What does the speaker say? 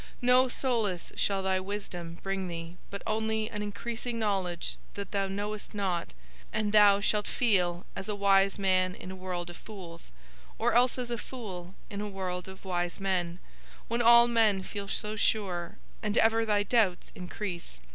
No solace shall thy wisdom bring thee but only an increasing knowledge that thou knowest nought, and thou shalt feel as a wise man in a world of fools, or else as a fool in a world of wise men, when all men feel so sure and ever thy doubts increase.